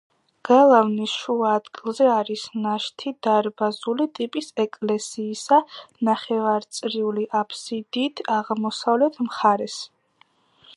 გალავნის შუა ადგილზე არის ნაშთი დარბაზული ტიპის ეკლესიისა ნახევარწრიული აფსიდით აღმოსავლეთ მხარეს.